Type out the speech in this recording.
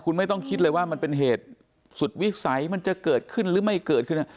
คุณไม่ต้องคิดเลยว่ามันเป็นเหตุสุดวิสัยมันจะเกิดขึ้นหรือไม่เกิดขึ้น